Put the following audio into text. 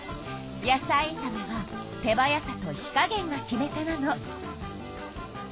野菜いためは手早さと火加げんが決め手なの。